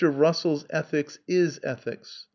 Russell's ethics is ethics.